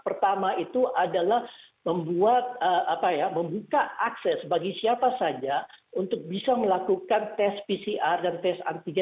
pertama itu adalah membuat apa ya membuka akses bagi siapa saja untuk bisa melakukan tes pcr dan tes antigen